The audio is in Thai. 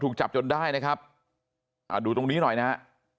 ถูกจับจนได้นะครับอ่าดูตรงนี้หน่อยนะฮะ